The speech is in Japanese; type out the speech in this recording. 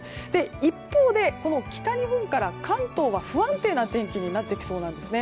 一方、北日本から関東は不安定な天気になってきそうなんですね。